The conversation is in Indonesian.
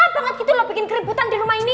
banget gitu loh bikin keributan di rumah ini